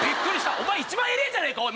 お前一番偉ぇじゃねえか！